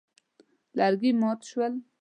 لرګي مات شول.